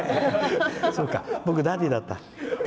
そうか、僕、ダディだった。